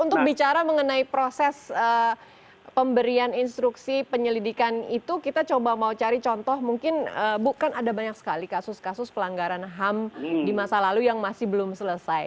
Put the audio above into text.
untuk bicara mengenai proses pemberian instruksi penyelidikan itu kita coba mau cari contoh mungkin bukan ada banyak sekali kasus kasus pelanggaran ham di masa lalu yang masih belum selesai